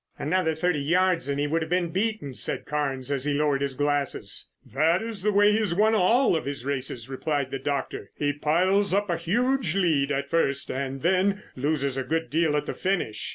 "Another thirty yards and he would have been beaten," said Carnes as he lowered his glasses. "That is the way he has won all of his races," replied the doctor. "He piles up a huge lead at first and then loses a good deal at the finish.